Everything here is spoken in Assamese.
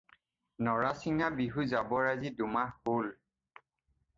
নৰাছিঙা বিহু যাবৰ আজি দুমাহ হ'ল।